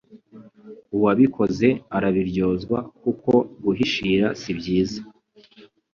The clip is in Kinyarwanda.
uwabikoze arabiryozwa kuko guhishira sibyiza